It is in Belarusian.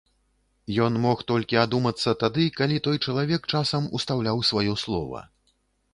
Ён мог толькі адумацца тады, калі той чалавек часам устаўляў сваё слова.